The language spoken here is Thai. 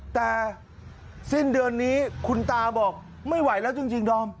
แต่สิ้นเดือนนี้คุณตาบอกไม่ไหวแล้วจริงดอม